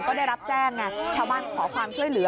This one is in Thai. ก็ได้รับแจ้งไงชาวบ้านขอความช่วยเหลือ